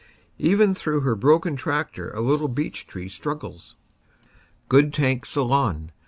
Even through her broken tractor a little beech tree struggles. Good tank "Ceylon."